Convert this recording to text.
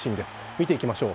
見ていきましょう。